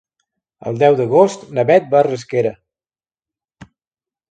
El deu d'agost na Beth va a Rasquera.